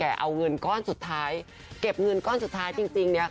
เอางืนก้อนสุดท้ายเก็บเงินก้อนสุดท้ายจริง